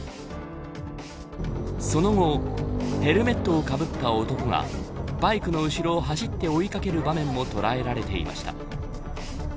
その後ヘルメットをかぶった男がバイクの後ろを走って追い掛ける場面も捉えられていました。